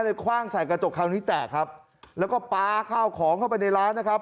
คว่างใส่กระจกคราวนี้แตกครับแล้วก็ป๊าข้าวของเข้าไปในร้านนะครับ